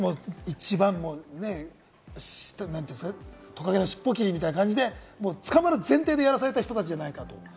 一番、トカゲの尻尾切りみたいな感じで、捕まる前提でやらされた人たちじゃないかと。